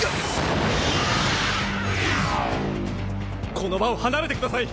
この場を離れてください。